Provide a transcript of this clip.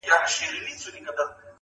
او پسه یې له آزاره وي ژغورلی -